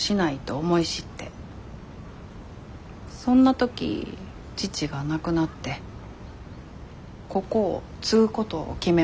そんな時父が亡くなってここを継ぐことを決めました。